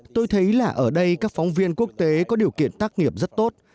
tôi thấy là ở đây các phóng viên quốc tế có điều kiện tác nghiệp rất tốt